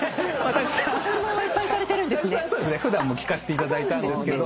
普段も聞かしていただいたんですけど。